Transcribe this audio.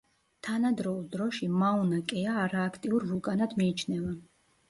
თანადროულ დროში მაუნა-კეა არააქტიურ ვულკანად მიიჩნევა.